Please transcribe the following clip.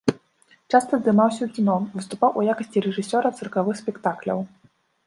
Часта здымаўся ў кіно, выступаў у якасці рэжысёра цыркавых спектакляў.